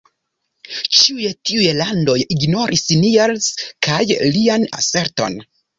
Ĉiuj tiuj landoj ignoris Niels kaj lian aserton.